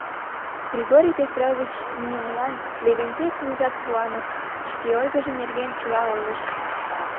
Григорий Петрович мийымылан Левентей кугызат куаныш: шке ойгыжо нерген чыла ойлыш.